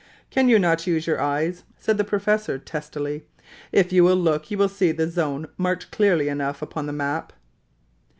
"Can you not use your eyes?" said the professor, testily. "If you will look you will see the zone marked clearly enough upon the map."